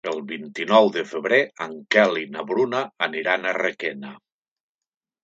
El vint-i-nou de febrer en Quel i na Bruna aniran a Requena.